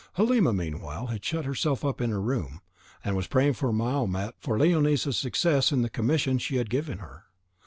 Halima, meanwhile, had shut herself up in her room, and was praying to Mahomet for Leonisa's success in the commission she had given her.